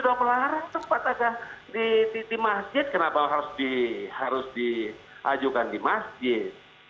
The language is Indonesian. dan melarang tempat agak di masjid kenapa harus dihajukan di masjid